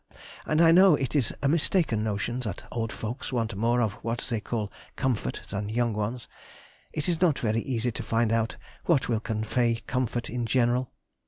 And I know it is a mistaken notion that old folks want more of what they call comfort than young ones. It is not very easy to find out what will convey comfort in general....